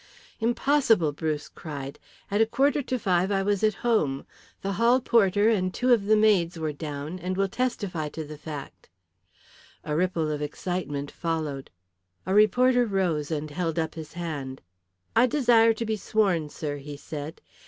"Impossible," Bruce cried. "At a quarter to five I was at home. The hall porter and two of the maids were down and will testify to the fact." A ripple of excitement followed. A reporter rose and held up his hand. "I desire to be sworn, sir," he said.